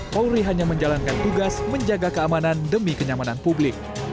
polri hanya menjalankan tugas menjaga keamanan demi kenyamanan publik